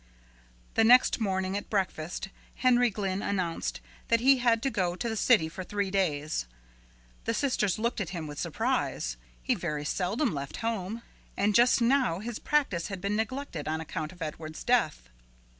The next morning at breakfast Henry Glynn announced that he had to go to the city for three days. The sisters looked at him with surprise. He very seldom left home, and just now his practice had been neglected on account of Edward's death.